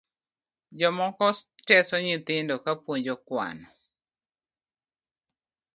Jomoko teso nyithindo kapuonjo kwano